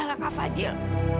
kamila gak mau kak fadil